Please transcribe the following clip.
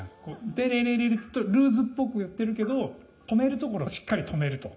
テレレレレちょっとルーズっぽくやってるけど止めるところはしっかり止めると。